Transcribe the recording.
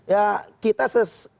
ya kita sesuai